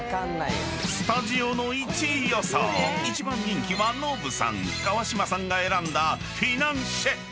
［スタジオの１位予想一番人気はノブさん川島さんが選んだフィナンシェ］